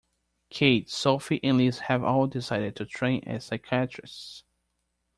Kate, Sophie and Liz have all decided to train as psychiatrists.